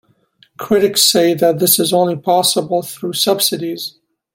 Critics say that this is only possible through subsidies.